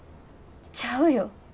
ちゃうよ。